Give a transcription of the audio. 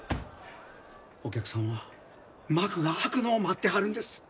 お客さんは幕が開くのを待ってはるんです。